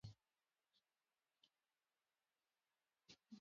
موږ باید د نورو نظرونه په درناوي واورو